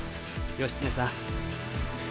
義経さん。